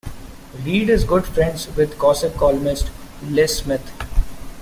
Reed is good friends with gossip columnist Liz Smith.